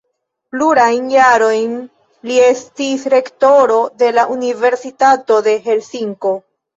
Plurajn jarojn li estis rektoro de la Universitato de Helsinko.